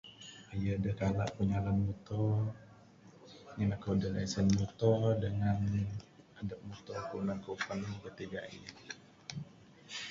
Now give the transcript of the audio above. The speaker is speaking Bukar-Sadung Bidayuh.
Aye da kala ku nyalan muto ngin aku adeh lesen muto dengan adep muto ku nan ku panu gatik gaih.